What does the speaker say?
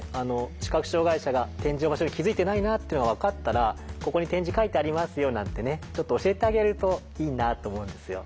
視覚障害者が点字の場所に気付いてないなっていうのが分かったら「ここに点字書いてありますよ」なんてねちょっと教えてあげるといいなと思うんですよ。